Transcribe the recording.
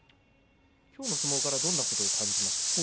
きょうの相撲からどんなことを感じました？